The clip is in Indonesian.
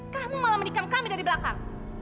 kamu malah menikam kami dari belakang